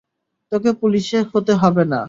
তোকে পুলিশ হতে হবে না।